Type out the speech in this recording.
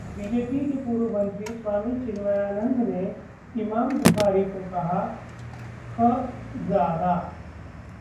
BJP के पूर्व मंत्री स्वामी चिन्मयानंद ने इमाम बुखारी को कहा 'ह..जादा'